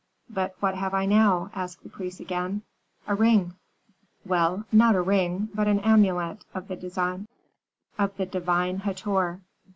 "But what have I now?" asked the priest again. "A ring." "Well, not a ring, but an amulet of the divine Hator.